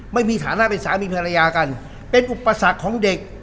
ไม่มีฐานะเป็นสามีภรรยากันเป็นอุปสรรคของเด็ก